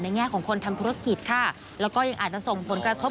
แง่ของคนทำธุรกิจค่ะแล้วก็ยังอาจจะส่งผลกระทบ